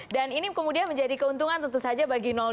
dan ini kemudian menjadi keuntungan tentu saja bagi dua